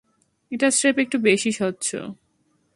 এটা স্রেফ একটু বেশি স্বচ্ছ।